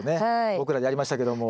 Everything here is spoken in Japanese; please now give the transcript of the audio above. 僕らでやりましたけども。